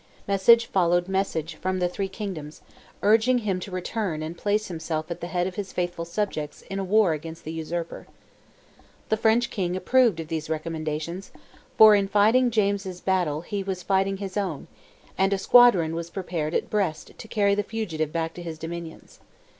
Message followed message from the three kingdoms, urging him to return and place himself at the head of his faithful subjects in a war against the usurper. The French king approved of these recommendations, for in fighting James's battle he was fighting his own, and a squadron was prepared at Brest to carry the fugitive back to his dominions.